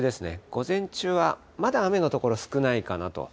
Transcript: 午前中はまだ雨の所少ないかなと。